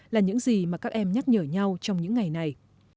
là những gì mà các em nhắc nhở nhau trong những ngày này